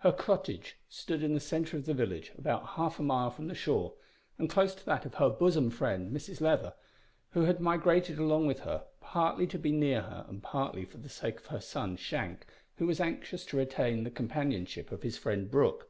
Her cottage stood in the centre of the village, about half a mile from the shore, and close to that of her bosom friend, Mrs Leather, who had migrated along with her, partly to be near her and partly for the sake of her son Shank, who was anxious to retain the companionship of his friend Brooke.